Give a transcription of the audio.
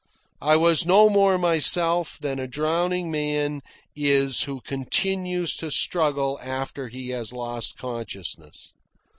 I was no more myself than a drowning man is who continues to struggle after he has lost consciousness.